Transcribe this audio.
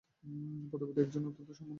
পদ্মাবতী একজন অত্যন্ত সম্মানিত শিক্ষক।